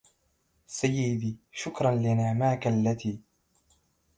سيدي شكرا لنعماك التي